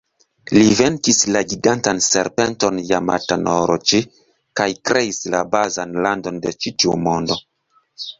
Li venkis la gigantan serpenton Jamata-no-Oroĉi kaj kreis la bazan landon de ĉi-tiu mondo.